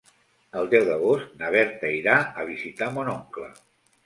El deu d'agost na Berta irà a visitar mon oncle.